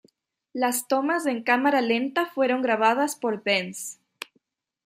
Las tomas en cámara lenta fueron grabadas por Bence.